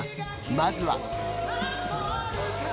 まずは。